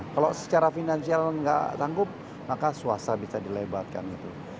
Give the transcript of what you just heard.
kalau secara finansial nggak tanggup maka swasta bisa dilebatkan gitu